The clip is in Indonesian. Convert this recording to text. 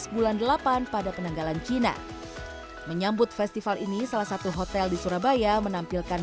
bulan delapan pada penanggalan cina menyambut festival ini salah satu hotel di surabaya menampilkan